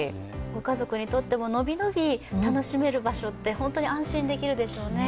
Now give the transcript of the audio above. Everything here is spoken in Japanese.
家族にとっても伸び伸び楽しめる場所って本当に安心できるでしょうね。